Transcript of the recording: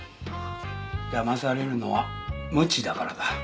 だまされるのは無知だからだ。